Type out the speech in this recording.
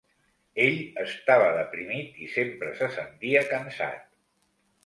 Ell estava deprimit i sempre se sentia cansat.